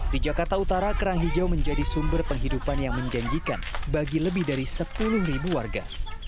di jakarta utara kerang hijau menjadi sumber penghidupan yang menjanjikan bagi lebih dari sepuluh ribu warga